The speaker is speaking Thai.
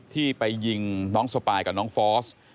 ที่ไปยิงน้องสปายกับน้องฟอส